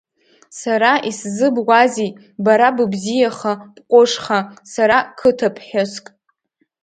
Сара исзыбуазеи, бара быбзиаха, бҟәышха, сара қыҭаԥҳәыск…